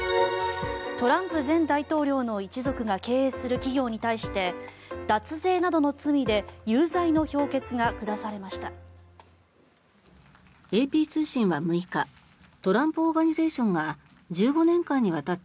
トランプ前大統領の一族が経営する企業に対して脱税などの罪で有罪の評決が下されました。